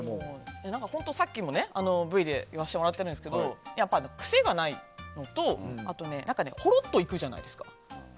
さっきもＶで言わせてもらったんですけど癖がないのとほろっといくじゃないですか。